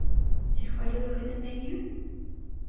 Ці хвалюе гэта мяне?